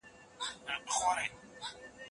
که دولت وغواړي نو فقر کمولای سي.